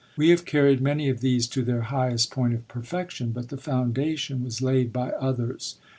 We have carried many of these to their highest point of perfection, but the foundation was laid by others.